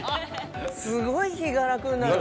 すごい気が楽になる。